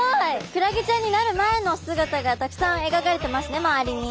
クラゲちゃんになる前の姿がたくさんえがかれてますね周りに。